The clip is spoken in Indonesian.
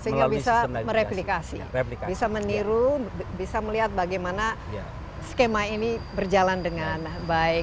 sehingga bisa mereplikasi bisa meniru bisa melihat bagaimana skema ini berjalan dengan baik